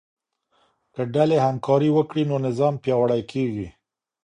که ډلې همکاري وکړي نو نظام پیاوړی کیږي.